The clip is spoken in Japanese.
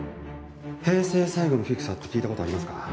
平成最後のフィクサーって聞いたことありますか？